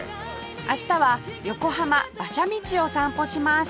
明日は横浜馬車道を散歩します